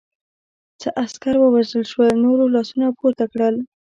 څه عسکر ووژل شول، نورو لاسونه پورته کړل.